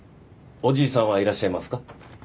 おじいさんはいらっしゃいますか？